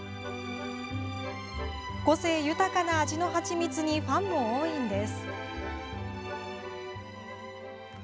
個性豊かな味のハチミツにファンも多いんです。